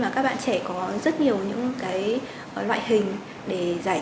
với các bạn thanh thiếu niên nhưng đồng thời với xã hội hiện nay